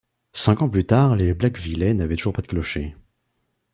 Cinq ans plus tard, les Blacquevillais n'avaient toujours pas de clocher.